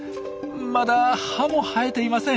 まだ歯も生えていません。